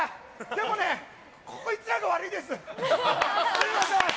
でもね、こいつらが悪いです。